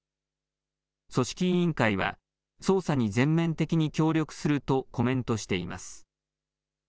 組織委員会は捜査に全面的に協力するとコメントしています。